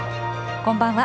こんばんは。